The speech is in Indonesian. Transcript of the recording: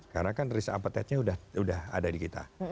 karena kan risk appetite nya sudah ada di kita